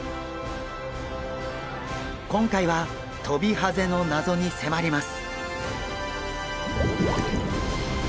今回はトビハゼの謎に迫ります！